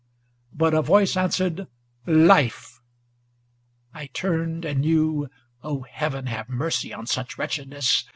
ŌĆö But a voice answered ŌĆö ' Life !' ŌĆö I turned, and knew 180 (O Heaven, have mercy on such wretched ness